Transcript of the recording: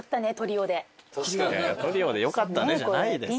トリオでよかったねじゃないですよ。